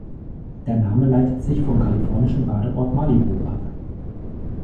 Der Name leitet sich vom kalifornischen Badeort Malibu ab.